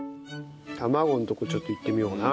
卵のとこちょっといってみようかな。